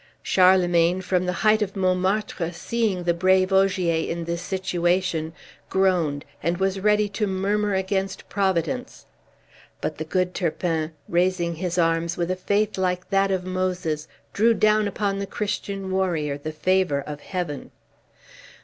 Charlemagne, from the height of Montmartre, seeing the brave Ogier in this situation, groaned, and was ready to murmur against Providence; but the good Turpin, raising his arms, with a faith like that of Moses, drew down upon the Christian warrior the favor of Heaven.